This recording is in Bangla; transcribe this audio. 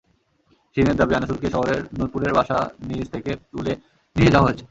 শিরিনের দাবি, আনিসুরকে শহরের নূরপুরের বাসা নিজ থেকে তুলে নিয়ে যাওয়া হয়েছে।